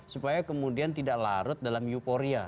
supaya kemudian tidak larut dalam euforia